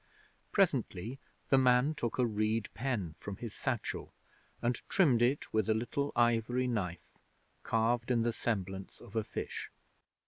Presently the man took a reed pen from his satchel, and trimmed it with a little ivory knife, carved in the semblance of a fish.